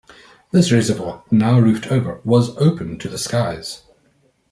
This reservoir, now roofed over, was open to the skies.